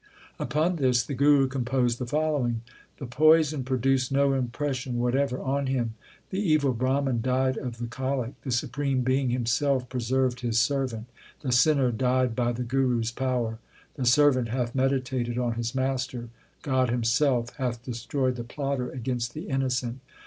Upon this the Guru composed the fol lowing : The poison produced no impression whatever on him ; The evil Brahman died of the colic. The Supreme Being Himself preserved His servant ; The sinner died by the Guru s power. The servant hath meditated on His Master : God Himself hath destroyed the plotter against the innocent.